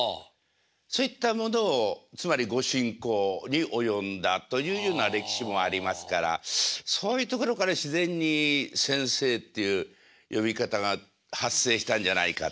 そういったものをつまりご進講に及んだというような歴史もありますからそういうところから自然に先生っていう呼び方が発生したんじゃないか。